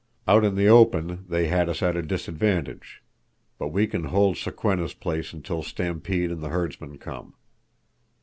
Out in the open they had us at a disadvantage. But we can hold Sokwenna's place until Stampede and the herdsmen come.